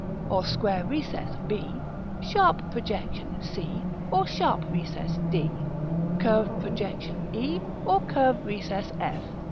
or square recess, b, sharp projection, c, or sharp recess, d, curved projection, e, or curved recess, f.